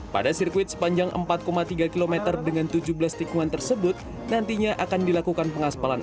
pada sirkuit sepanjang empat tiga km dengan tujuh belas tikungan tersebut nantinya akan dilakukan pengaspalan